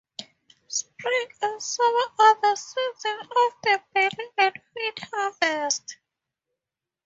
Spring and summer are the seasons of the barley and wheat harvests.